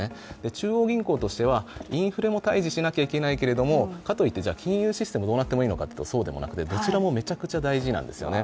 中央銀行としては、インフレも退治しなきゃいけないけどもかといって金融システムどうなってもいいのかというと、そうでもなくてどちらもめちゃくちゃ大事なんですよね。